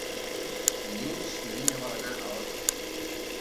Dilluns na Nina vol anar a Otos.